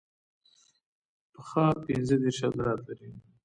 پښه پنځه دیرش عضلات لري.